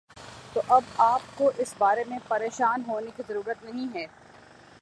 تو اب آ پ کو اس بارے میں پریشان ہونے کی ضرورت نہیں ہے